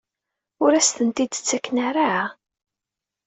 Ur as-tent-id-ttaken ara?